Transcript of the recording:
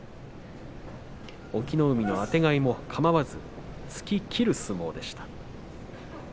隠岐の海のあてがいもかまわず突ききる相撲でした。